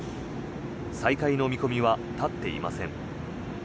再開の見込みは立っていません。